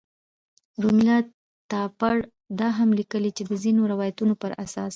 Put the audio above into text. رومیلا تاپړ دا هم لیکلي چې د ځینو روایتونو په اساس.